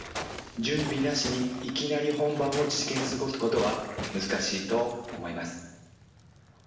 準備なしにいきなり本番を実現することは難しいと思います。